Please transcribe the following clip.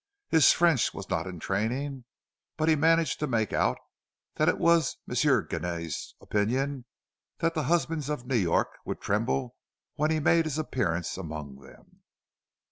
His French was not in training, but he managed to make out that it was M. Genet's opinion that the husbands of New York would tremble when he made his appearance among them.